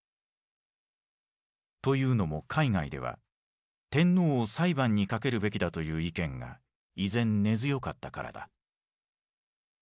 というのも海外では天皇を裁判にかけるべきだという意見が依然根強かったからだ。